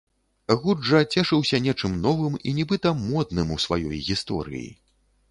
Гурт жа цешыўся нечым новым і нібыта модным у сваёй гісторыі.